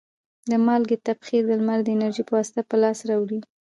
د مالګې تبخیر د لمر د انرژي په واسطه په لاس راوړي.